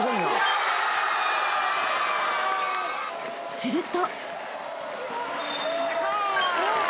［すると］